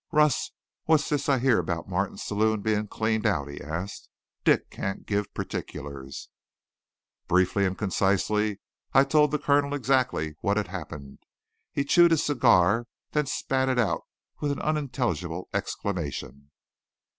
"Russ, what's this I hear about Martin's saloon being cleaned out?" he asked. "Dick can't give particulars." Briefly and concisely I told the colonel exactly what had happened. He chewed his cigar, then spat it out with an unintelligible exclamation.